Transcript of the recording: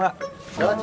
udah lah ce